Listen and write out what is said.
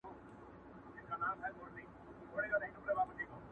تېرېدل د سلطان مخي ته پوځونه .!